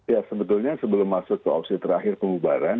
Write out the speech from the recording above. ya sebetulnya sebelum masuk ke opsi terakhir pembubaran